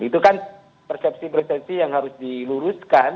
itu kan persepsi persepsi yang harus diluruskan